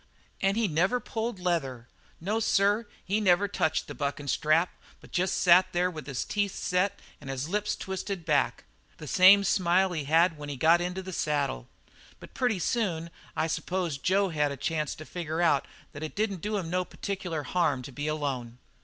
An' he never pulled leather. No, sir, he never touched the buckin' strap, but jest sat there with his teeth set and his lips twistin' back the same smile he had when he got into the saddle. But pretty soon I s'pose Jo had a chance to figure out that it didn't do him no particular harm to be alone.